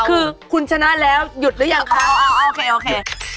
คือคุณชนะแล้วหยุดหรือยังคะโอเคโอเค